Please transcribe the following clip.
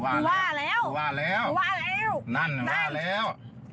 ผู้ว่าแล้วว่าแล้วว่าแล้วนั่นน่ะว่าแล้ว